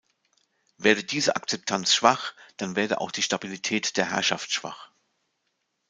Werde diese Akzeptanz schwach, dann werde auch die Stabilität der Herrschaft schwach.